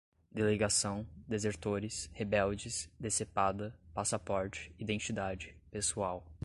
delegação, desertores, rebeldes, decepada, passaporte, identidade, pessoal